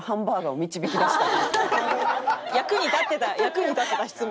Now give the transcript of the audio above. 役に立ってた役に立ってた質問。